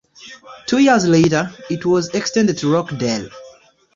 Two years later, it was extended to Rockdale.